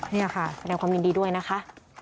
นี่ค่ะแสดงความยินดีด้วยนะคะ